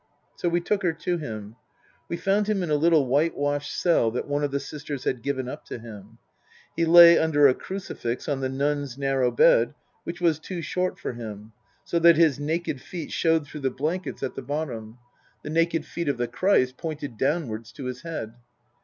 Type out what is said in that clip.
So we took her to him. We found him in a little whitewashed cell that one of the sisters had given up to him. He lay under a crucifix on the nun's narrow bed, which was too short for him, so that his naked feet showed through the blankets at the Book III: His Book 311 bottom. The naked feet of the Christ pointed downwards to his head.